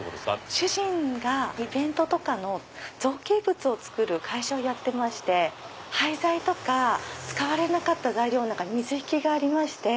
主人がイベントとかの造形物を作る会社をやってまして廃材とか使われなかった材料の中に水引がありまして。